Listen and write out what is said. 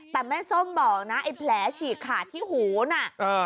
แต่แม่ส้มบอกนะไอ้แผลฉีกขาดที่หูน่ะเออ